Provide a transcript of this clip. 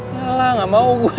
lah lah gak mau gue